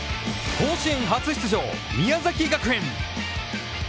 甲子園初出場、宮崎学園。